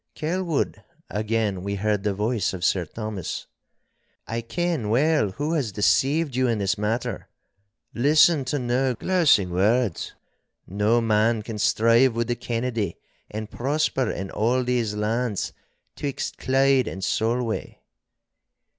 'Kelwood,' again we heard the voice of Sir Thomas, 'I ken well who has deceived you in this matter. Listen to no glosing words. No man can strive with the Kennedy and prosper in all these lands 'twixt Clyde and Solway.